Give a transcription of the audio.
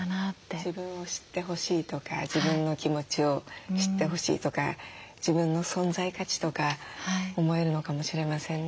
自分を知ってほしいとか自分の気持ちを知ってほしいとか自分の存在価値とか思えるのかもしれませんね。